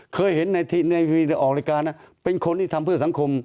เคยเห็นในออกรายการเป็นคนที่ทำเพื่อสังคม